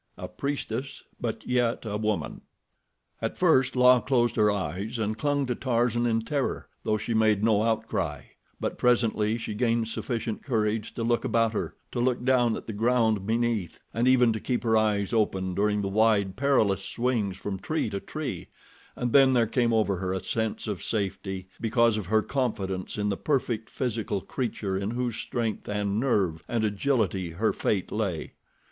A Priestess But Yet a Woman At first La closed her eyes and clung to Tarzan in terror, though she made no outcry; but presently she gained sufficient courage to look about her, to look down at the ground beneath and even to keep her eyes open during the wide, perilous swings from tree to tree, and then there came over her a sense of safety because of her confidence in the perfect physical creature in whose strength and nerve and agility her fate lay.